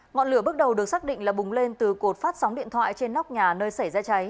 ngọn lửa bước đầu được xác định là bùng lên từ cột phát sóng điện thoại trên nóc nhà nơi xảy ra cháy